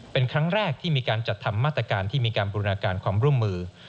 เป็นครั้งแรกที่มีการจัดทำมาตรการที่อุปโภคบรินาคารของร่วมมือ